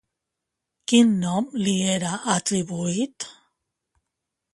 Quin nom li era atribuït?